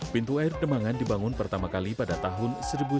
pintu air demangan dibangun pertama kali pada tahun seribu sembilan ratus sembilan puluh